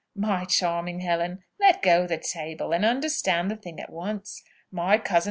My charming Helen! let go the table, and understand the thing at once. My cousin.